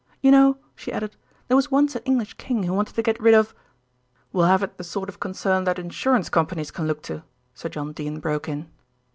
"You know," she added, "there was once an English king who wanted to get rid of " "We'll have it the sort of concern that insurance companies can look to," Sir John Dene broke in.